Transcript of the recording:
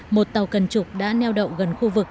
một tàu cần trục đã neo đậu gần khu vực